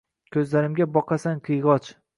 Ko’zlarimga boqasan qiyg’och